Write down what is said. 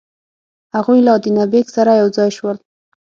هغوی له ادینه بېګ سره یو ځای شول.